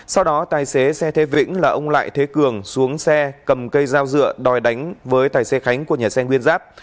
sau đó tài xế xe thế vĩnh là ông lại thế cường xuống xe cầm cây dao dựa đòi đánh với tài xế khánh của nhà xe nguyên giáp